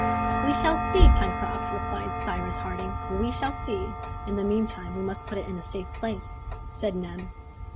"We shall see, Pencroft," replied Cyrus Harding; "we shall see." "In the meantime, we must put it in a safe place," said Neb.